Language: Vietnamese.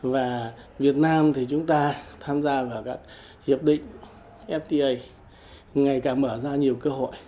và việt nam thì chúng ta tham gia vào các hiệp định fta ngày càng mở ra nhiều cơ hội